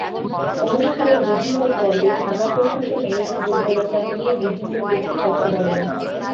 অনুষ্ঠানের বিভিন্ন পর্বে ঢাকা প্রশাসনের দুর্বলতা নিয়ে বিভিন্ন ব্যক্তি কথা বলেন।